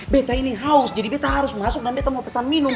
beta ini haus jadi beta harus masuk dan beta mau pesan minum